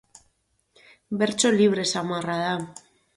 Bertso libre samarra da.